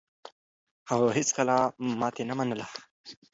هغه هيڅکله ماتې نه منله.